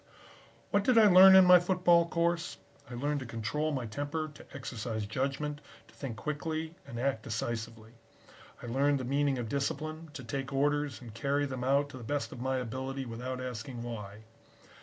"What did I learn in my football course? I learned to control my temper, to exercise judgment, to think quickly and act decisively. I learned the meaning of discipline, to take orders and carry them out to the best of my ability without asking why.